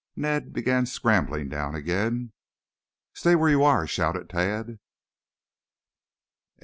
Ned began scrambling down again. "Stay where you are!" shouted Tad.